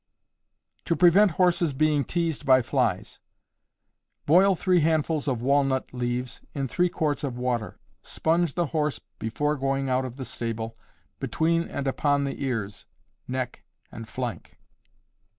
To prevent Horses being Teased by Flies. Boil three handfuls of walnut leaves in three quarts of water; sponge the horse (before going out of the stable) between and upon the ears, neck and flank.